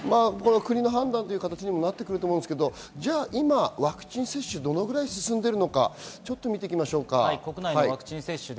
国の判断ということにもなると思いますが、じゃあ今ワクチン接種どのくらい進んでるのか見ていきましょう。